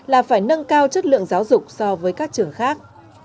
là phải nâng cao chất lượng giáo dục so với các trường khác